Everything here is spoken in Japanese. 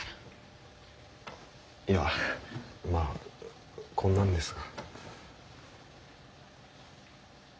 いやまあこんなんですが。